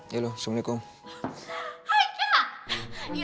ya loh assalamualaikum